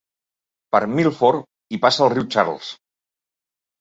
Per Milford hi passa el riu Charles.